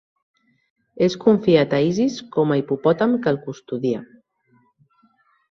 Es confiat a Isis com a hipopòtam que el custodia.